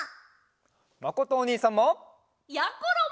まことおにいさんも！やころも！